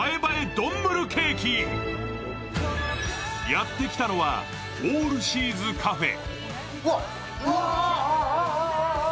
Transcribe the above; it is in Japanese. やってきたのはオールシーズカフェ。